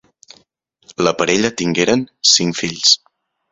La parella tingueren cinc fills.